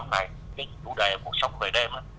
cái chủ đề cuộc sống về đêm